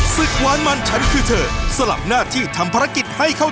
โชคความแม่นแทนนุ่มในศึกที่๒กันแล้วล่ะครับ